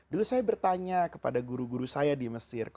dulu saya bertanya kepada guru guru saya di mesir